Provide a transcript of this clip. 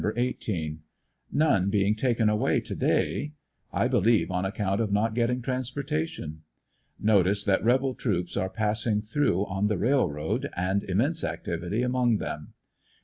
— None being taken away to day, I believe on account of not getting transportation. Notice that rebel troops are passing through on the railroad and immense activity among them.